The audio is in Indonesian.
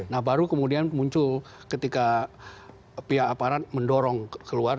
nah baru kemudian muncul ketika pihak aparat mendorong keluar